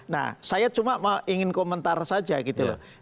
nah saya cuma ingin komentar saja gitu loh